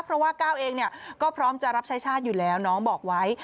เพราะว่าก้าวเองก็พร้อมจะรับใช้ชาติอยู่แล้วน้องบอกไว้